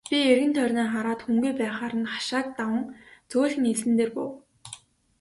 Би эргэн тойрноо хараад хүнгүй байхаар нь хашааг даван зөөлхөн элсэн дээр буув.